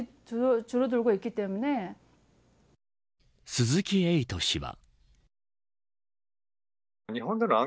鈴木エイト氏は。